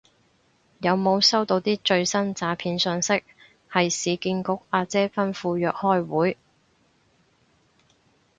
有冇收到啲最新詐騙訊息係市建局阿姐吩咐約開會